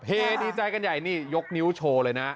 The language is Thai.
ดีใจกันใหญ่นี่ยกนิ้วโชว์เลยนะ